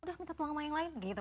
udah minta tuang sama yang lain gitu